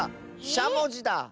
しゃもじだ。